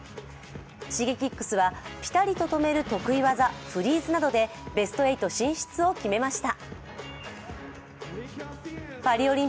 Ｓｈｉｇｅｋｉｘはピタリと止める得意技・フリーズなどでベスト８進出を決めました。